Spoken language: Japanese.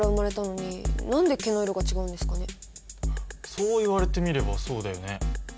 そう言われてみればそうだよね。